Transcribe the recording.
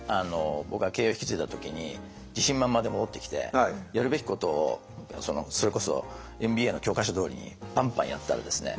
僕は経営を引き継いだ時に自信満々で戻ってきてやるべきことをそれこそＭＢＡの教科書どおりにパンパンやったらですね